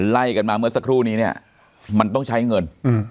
ไล่กันมาเมื่อสักครู่นี้เนี่ยมันต้องใช้เงิน